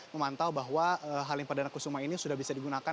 memantau bahwa halim perdana kusuma ini sudah bisa digunakan